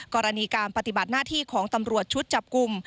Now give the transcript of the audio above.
กรณีการปฏิบัติหน้าที่ของตำรวจชุดจับกลุ่ม